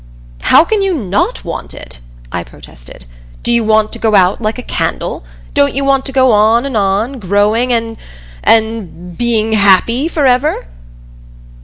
"How can you not want it!" I protested. "Do you want to go out like a candle? Don't you want to go on and on growing and and being happy, forever?"